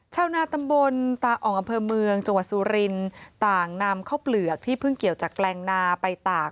ชาวนาตำบลตาอ่องอำเภอเมืองจังหวัดสุรินต่างนำข้าวเปลือกที่เพิ่งเกี่ยวจากแปลงนาไปตาก